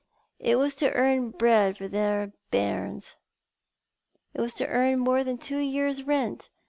It was to earn bread for the bairns. It was to earn more than two years' rent.